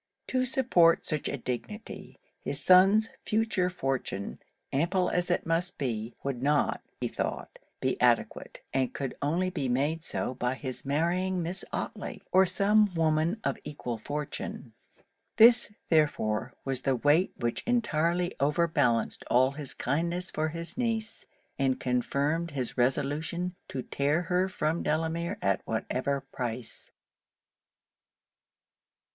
To support such a dignity, his son's future fortune, ample as it must be, would not, he thought, be adequate; and could only be made so by his marrying Miss Otley or some woman of equal fortune. This, therefore, was the weight which entirely over balanced all his kindness for his niece, and confirmed his resolution to tear her from Delamere at whatever price.